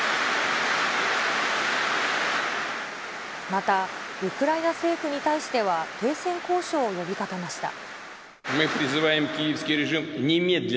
また、ウクライナ政府に対しては、停戦交渉を呼びかけました。